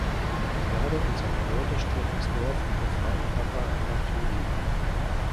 Dardo und seine Leute stürmen das Dorf und befreien Papa Bartoli.